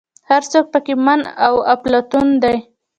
هر څوک په کې من او افلاطون دی.